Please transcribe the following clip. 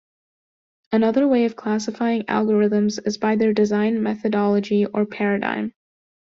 Another way of classifying algorithms is by their design methodology or paradigm.